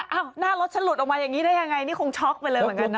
หน้ารถฉันหลุดออกมาอย่างนี้ได้ยังไงนี่คงช็อกไปเลยเหมือนกันนะ